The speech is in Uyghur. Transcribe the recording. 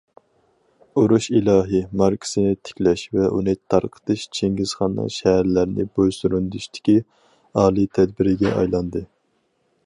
« ئۇرۇش ئىلاھى» ماركىسىنى تىكلەش ۋە ئۇنى تارقىتىش چىڭگىزخاننىڭ شەھەرلەرنى بويسۇندۇرۇشتىكى ئالىي تەدبىرىگە ئايلاندى.